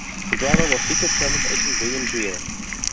The driver was Secret Service Agent William Greer.